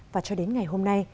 và cho đến ngày hôm nay